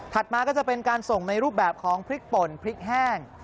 มาก็จะเป็นการส่งในรูปแบบของพริกป่นพริกแห้ง